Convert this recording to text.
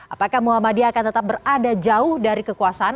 apakah muhammadiyah akan tetap berada jauh dari kekuasaan